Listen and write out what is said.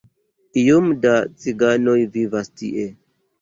Iom da ciganoj vivas tie.